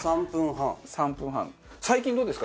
最近どうですか？